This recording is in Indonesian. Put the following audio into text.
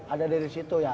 ada dari situ ya